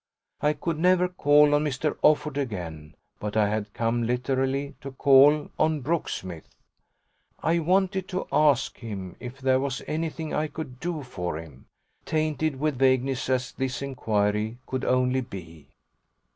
I could never call on Mr. Offord again, but I had come literally to call on Brooksmith. I wanted to ask him if there was anything I could do for him, tainted with vagueness as this inquiry could only be.